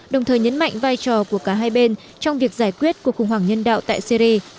đồng thời nhấn mạnh vai trò của cả hai bên trong việc giải quyết cuộc khủng hoảng nhân đạo tại syri